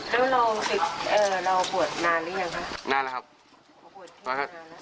แล้วโรงติดเอ่อเราบวชนานหรือยังคะนานแล้วครับ